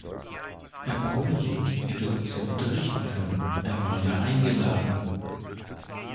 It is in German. Herr Barroso hätte uns ja unterrichten können, er war ja eingeladen.